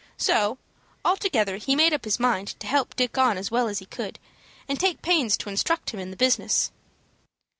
So, altogether, he made up his mind to help Dick on as well as he could, and take pains to instruct him in the business.